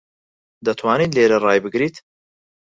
دەتوانیت لێرە ڕای بگریت؟